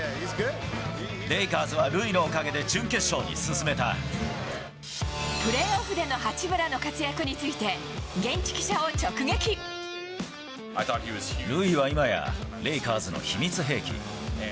レイカーズはルイのおかげで準決プレーオフでの八村の活躍について、ルイは今や、レイカーズの秘密兵器。